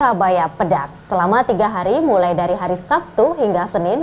surabaya pedas selama tiga hari mulai dari hari sabtu hingga senin